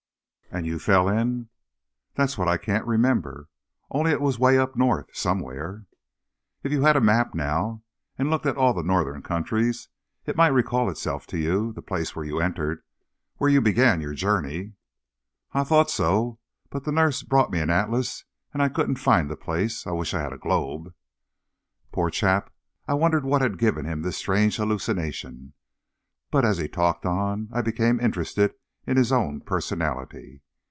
"And you fell in?" "That's what I can't remember, only it was 'way up North, somewhere." "If you had a map, now, and looked at all the Northern countries, it might recall itself to you, the place where you entered, where you began your journey." "I thought so, but the nurse brought me an atlas and I couldn't find the place. I wish I had a globe." Poor chap. I wondered what had given him this strange hallucination. But as he talked on, I became interested in his own personality.